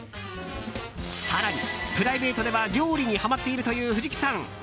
更に、プライベートでは料理にはまっているという藤木さん。